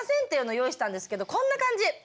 っていうのを用意したんですけどこんな感じ。